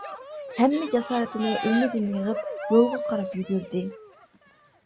ھەممە جاسارىتىنى ۋە ئۈمىدىنى يىغىپ يولغا قاراپ يۈگۈردى.